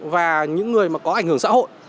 và những người có ảnh hưởng xã hội